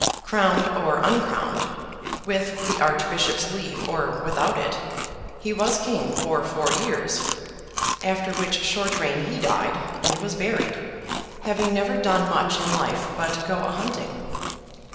Crowned or uncrowned, with the Archbishop's leave or without it, he was King for four years: after which short reign he died, and was buried; having never done much in life but go a hunting.